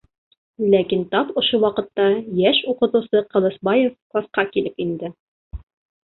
Ләкин тап ошо ваҡытта йәш уҡытыусы Ҡылысбаев класҡа килеп инде.